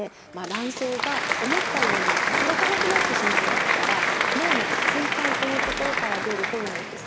卵巣が思ったように働かなくなってしまいますから脳の下垂体というところから出るホルモンですね